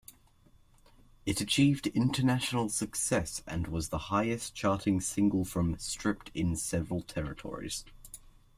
It achieved international success and was the highest-charting single from "Stripped" in several territories.